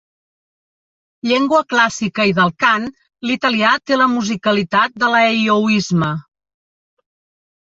Llengua clàssica i del cant, l'italià té la musicalitat de l'aeiouisme.